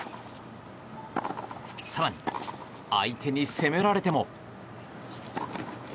更に、相手に攻められても。